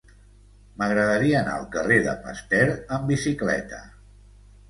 M'agradaria anar al carrer de Pasteur amb bicicleta.